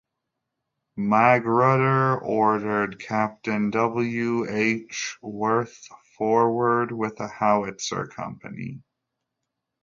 Magruder ordered Captain W. H. Werth forward with a howitzer company.